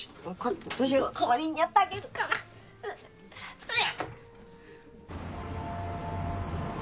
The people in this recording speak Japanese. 私が代わりにやってあげるからうっ！